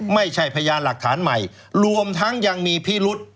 พยานหลักฐานใหม่รวมทั้งยังมีพิรุษ